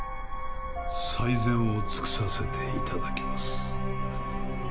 最善を尽くさせて頂きます。